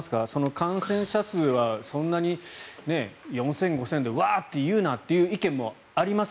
感染者数はそんなに４０００、５０００でワーッて言うなっていう意見もあります。